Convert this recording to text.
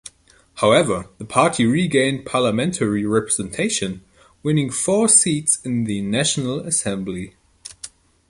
However, the party regained parliamentary representation, winning four seats in the National Assembly.